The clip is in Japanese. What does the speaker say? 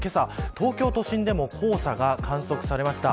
東京都心でも黄砂が観測されました。